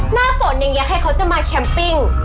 หน้าฝนยังอยากให้เขาจะมาแคมป์ปิ้ง